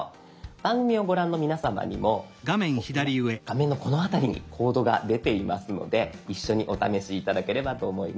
番組をご覧の皆さまにもこう今画面のこの辺りにコードが出ていますので一緒にお試し頂ければと思います。